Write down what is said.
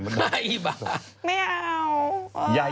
ประโยะ